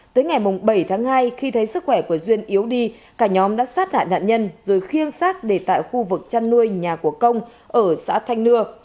tới ngày bảy tháng hai khi thấy sức khỏe của duyên yếu đi cả nhóm đã sát hại nạn nhân rồi khiêng sát để tại khu vực chăn nuôi nhà của công ở xã thanh nưa